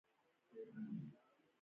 ګاټانو د روم د دفاع لپاره جګړه کوله.